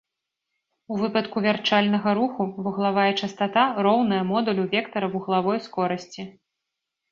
У выпадку вярчальнага руху, вуглавая частата роўная модулю вектара вуглавой скорасці.